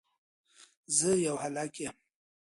زه يو هلک يم